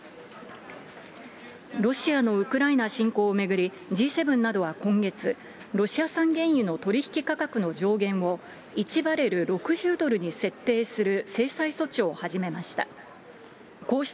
ロシアのウクライナ侵攻を巡り、Ｇ７などは今月、ロシア産原油の取り引き価格の上限を、１バレル６０ドルに設定する制裁措置を始めました。